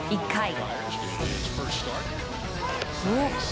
１回。